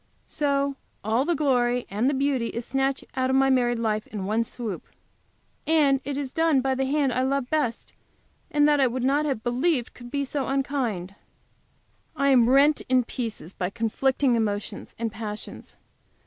So all the glory and the beauty is snatched out of my married life at one swoop! And it is done by the hand I love best, and that I would not have believed could be so unkind. I am rent in pieces by conflicting emotions and passions.